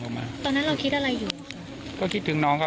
ก็ตอบได้คำเดียวนะครับ